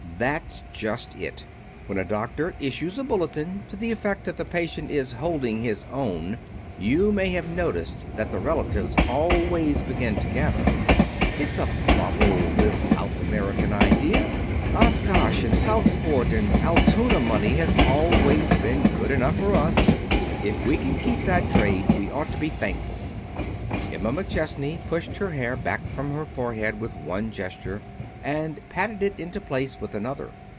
"That's just it. When a doctor issues a bulletin to the effect that the patient is holding his own, you may have noticed that the relatives always begin to gather." "It's a bubble, this South American idea. Oshkosh and Southport and Altoona money has always been good enough for us. If we can keep that trade, we ought to be thankful." Emma McChesney pushed her hair back from her forehead with one gesture and patted it into place with another.